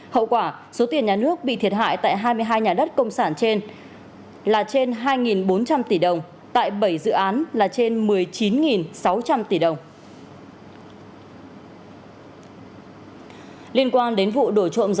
hậu quả số tiền nhà nước bị thiệt hại tại hai mươi hai nhà đất công sản trên là trên hai bốn trăm linh tỷ đồng tại bảy dự án là trên một mươi chín sáu trăm linh tỷ đồng